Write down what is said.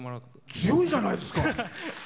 強いじゃないですか。